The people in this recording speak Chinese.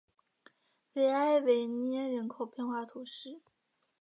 维埃维涅人口变化图示